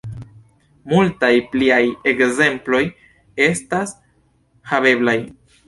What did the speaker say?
Multaj pliaj ekzemploj estas haveblaj.